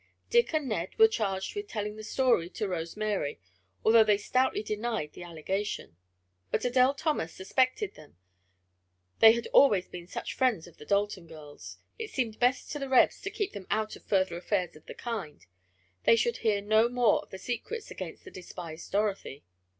"Dick" and "Ned" were charged with telling the story to Rose Mary, although they stoutly denied the allegation. But Adele Thomas suspected them, they had always been such friends of the Dalton girls, it seemed best to the "Rebs" to keep them out of further affairs of the kind they should hear no more of the secrets against the despised Dorothy.